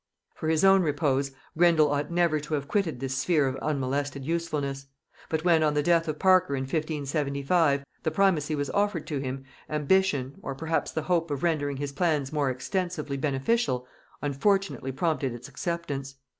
For his own repose, Grindal ought never to have quitted this sphere of unmolested usefulness; but when, on the death of Parker in 1575, the primacy was offered to him, ambition, or perhaps the hope of rendering his plans more extensively beneficial, unfortunately prompted its acceptance.